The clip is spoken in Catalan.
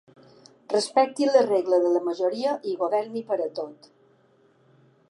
Respecti la regla de la majoria i governi per a tot.